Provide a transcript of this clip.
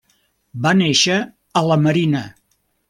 Va néixer a la Marina.